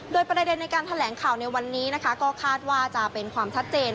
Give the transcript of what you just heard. โดยประเด็นในการแถลงข่าวในวันนี้นะคะก็คาดว่าจะเป็นความชัดเจน